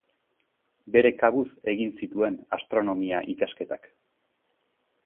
Bere kabuz egin zituen astronomia-ikasketak.